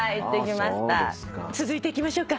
続いていきましょうか。